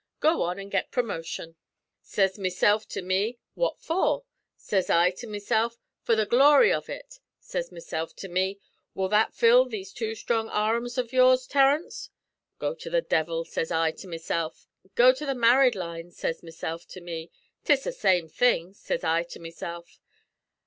Go on an' get promotion.' Sez mesilf to me, 'What for?' Sez I to mesilf, 'For the glory av ut.' Sez mesilf to me, 'Will that fill these two strong arrums av yours, Terence?' 'Go to the devil,' sez I to mesilf. 'Go to the married lines,' sez mesilf to me. ''Tis the same thing,' sez I to mesilf.